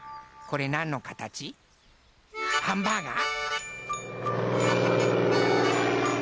これなんのかたち？ハンバーガー？